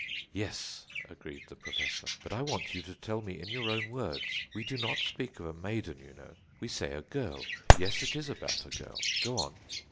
"Yes," agreed the Professor; "but I want you to tell me in your own words. We do not speak of a maiden, you know; we say a girl. Yes, it is about a girl. Go on."